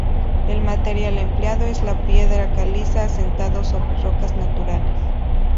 El material empleado es la piedra caliza asentado sobre rocas naturales.